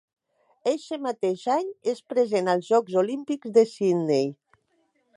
Eixe mateix any és present als Jocs Olímpics de Sydney.